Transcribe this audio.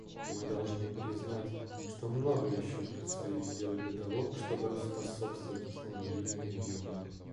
Мы должны признать, что многое еще предстоит сделать для того, чтобы способствовать восстановлению региона.